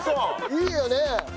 いいよね。